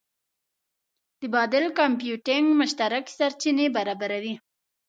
د بادل کمپیوټینګ مشترک سرچینې برابروي.